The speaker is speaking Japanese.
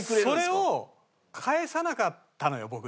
それを返さなかったのよ